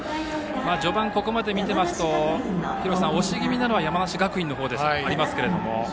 序盤、ここまで見ていますと押し気味なのは山梨学院の方ですけれども。